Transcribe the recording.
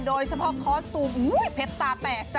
โดยเฉพาะพอทตู้เผ็ดตาแตกจ๊ะ